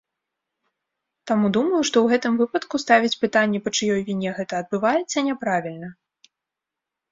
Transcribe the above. Таму думаю, што ў гэтым выпадку ставіць пытанне, па чыёй віне гэта адбываецца, няправільна.